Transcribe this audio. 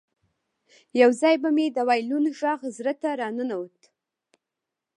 یو ځای به مې د وایلون غږ زړه ته راننوت